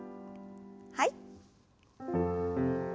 はい。